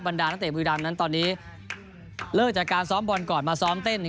บรรดานักเตะบุรีรัมณ์ตอนนี้เลิกจากการซ้อมบอลก่อนมาซ้อมเต้น